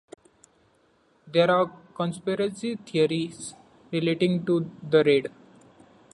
There are conspiracy theories relating to the raid.